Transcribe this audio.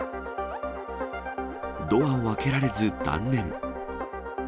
ドアを開けられず断念。